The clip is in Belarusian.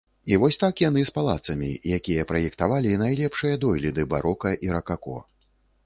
І вось так яны з палацамі, якія праектавалі найлепшыя дойліды барока і ракако.